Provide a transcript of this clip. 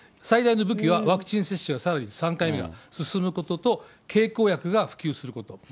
最大の武器は、ワクチン接種が、さらに３回目が進むことと、経口薬が普及すること。